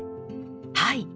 はい。